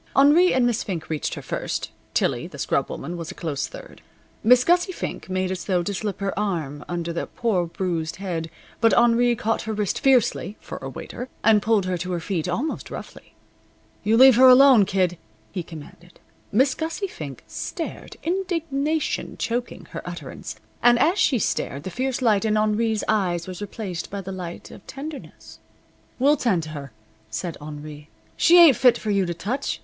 Henri and Miss Fink reached her first. Tillie, the scrub woman, was a close third. Miss Gussie Fink made as though to slip her arm under the poor bruised head, but Henri caught her wrist fiercely (for a waiter) and pulled her to her feet almost roughly. "You leave her alone, Kid," he commanded. Miss Gussie Fink stared, indignation choking her utterance. And as she stared the fierce light in Henri's eyes was replaced by the light of tenderness. "We'll tend to her," said Henri; "she ain't fit for you to touch.